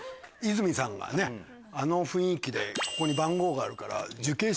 泉さんがねあの雰囲気でここに番号があるから受刑者。